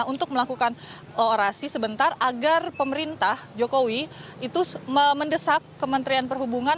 untuk melakukan orasi sebentar agar pemerintah jokowi itu mendesak kementerian perhubungan